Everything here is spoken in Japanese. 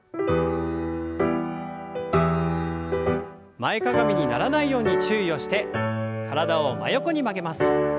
前かがみにならないように注意をして体を真横に曲げます。